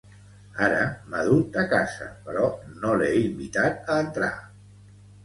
Ara m'ha dut a casa, però no l'he invitat a entrar.